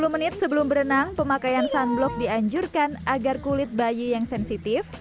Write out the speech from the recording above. sepuluh menit sebelum berenang pemakaian sunblock dianjurkan agar kulit bayi yang sensitif